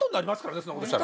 そんなことしたら。